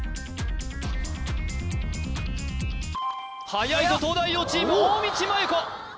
はやいぞ東大王チーム大道麻優子